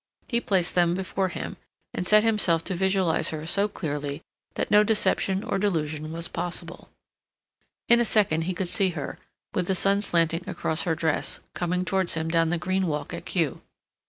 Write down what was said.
He placed them before him, and set himself to visualize her so clearly that no deception or delusion was possible. In a second he could see her, with the sun slanting across her dress, coming towards him down the green walk at Kew.